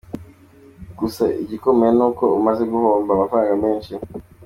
Gusa igikomeye ni uko maze guhomba amafaranga menshi”.